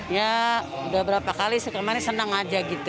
ya sudah beberapa kali sekarang ini senang saja gitu